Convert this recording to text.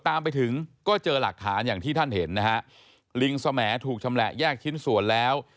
ตามไปถึงก็เจอหลักฐานอย่างที่ท่านเห็นนะฮะลิงสแหมดถูกชำแหละแยกชิ้นส่วนแล้ว